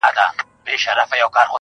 o هم دي د سرو سونډو په سر كي جـادو.